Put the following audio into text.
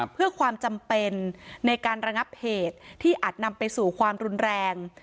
เพื่อความจำเป็นในการระงับเหตุที่อาจนำไปสู่ความรุนแรง